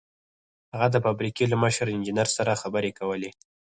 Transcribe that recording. هغه د فابريکې له مشر انجنير سره خبرې کولې.